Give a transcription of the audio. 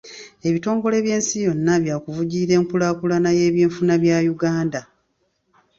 Ebitongole by'ensi yonna bya kuvujjirira enkulaakulana y'ebyenfuna bya Uganda.